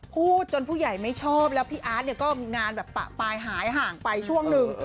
พูดจนผู้ใหญ่ไม่ชอบแล้วพี่อาร์ทก็มีงานปลายหายห่างไปช่วงนึง